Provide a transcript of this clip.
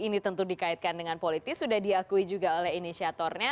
ini tentu dikaitkan dengan politis sudah diakui juga oleh inisiatornya